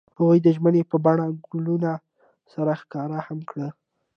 هغوی د ژمنې په بڼه ګلونه سره ښکاره هم کړه.